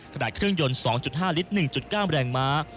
เครื่องยนต์๒๕ลิตร๑๙แรงม้า